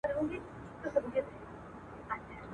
د اولیاوو د شیخانو مجلسونه کیږي !.